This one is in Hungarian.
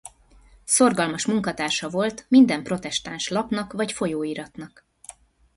Szorgalmas munkatársa volt minden protestáns lapnak vagy folyóiratnak.